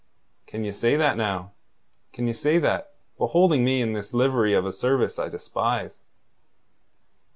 "Can ye say that now? Can ye say that, beholding me in this livery of a service I despise?